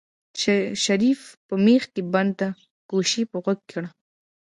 شريف په مېخ کې بنده ګوشي په غوږو کړه.